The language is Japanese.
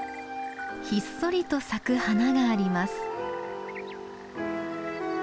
ひっそりと咲く花があります。